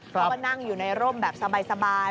แล้วก็นั่งอยู่ในร่มแบบสบาย